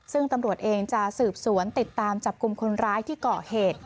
ซึ่งตำรวจเองจะสืบสวนติดตามจับกลุ่มคนร้ายที่เกาะเหตุ